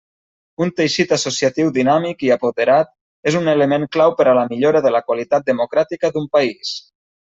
Un teixit associatiu dinàmic i apoderat és un element clau per a la millora de la qualitat democràtica d'un país.